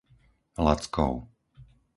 Lackov